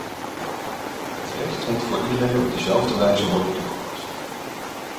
Het recht moet voor iedereen op dezelfde wijze worden toegepast.